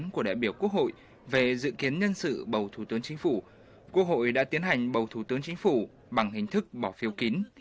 quốc hội đã tiến hành bầu thủ tướng chính phủ bằng hình thức bỏ phiếu kín